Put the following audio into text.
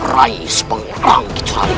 rais pengarang kecuali